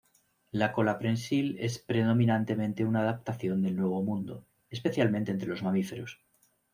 La cola prensil es predominantemente una adaptación del nuevo mundo, especialmente entre los mamíferos.